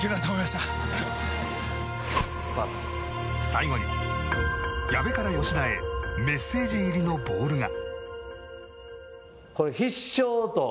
最後に矢部から吉田へメッセージ入りのボールが。